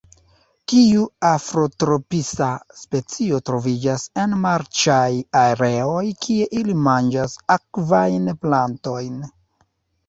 Tiu afrotropisa specio troviĝas en marĉaj areoj kie ili manĝas akvajn plantojn.